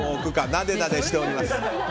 なでなでしております。